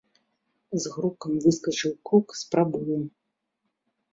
З грукам выскачыў крук з прабою.